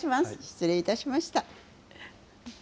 失礼いたしました。